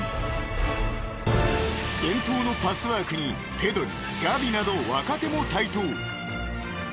［伝統のパスワークにペドリガヴィなど若手も台頭］